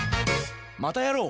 「またやろう」